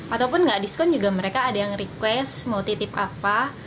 ataupun nggak diskon juga mereka ada yang request mau titip apa